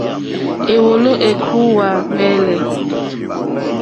Éwòló ékúwà ɱwɛ̂lɛ̂.